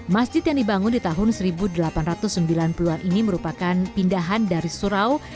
masjid yang dibangun di tahun seribu delapan ratus sembilan puluh an ini merupakan pindahan dari surau